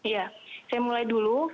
ya saya mulai dulu